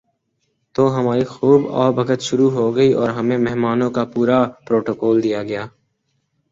تو ہماری خوب آؤ بھگت شروع ہو گئی اور ہمیں مہمانوں کا پورا پروٹوکول دیا گیا ۔